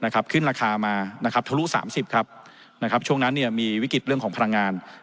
ขึ้นราคามาทะลุ๓๐ครับช่วงนั้นมีวิกฤตเรื่องของพลังงาน